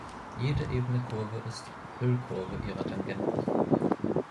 Jede ebene Kurve ist Hüllkurve ihrer Tangenten.